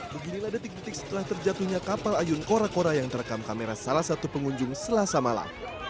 beginilah detik detik setelah terjatuhnya kapal ayun kora kora yang terekam kamera salah satu pengunjung selasa malam